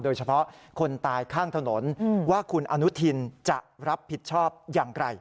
คนตายข้างถนนว่าคุณอนุทินจะรับผิดชอบอย่างไร